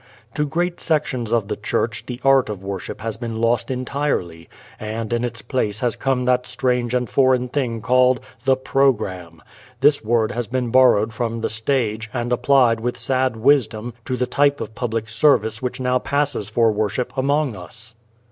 To great sections of the Church the art of worship has been lost entirely, and in its place has come that strange and foreign thing called the "program." This word has been borrowed from the stage and applied with sad wisdom to the type of public service which now passes for worship among us.